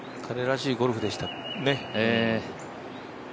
彼らしいゴルフでしたね。